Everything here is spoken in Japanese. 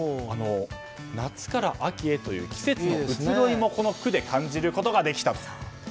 夏から秋へという季節の移ろいもこの句で感じることができたと。